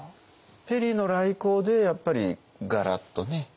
ペリーの来航でやっぱりガラッとね。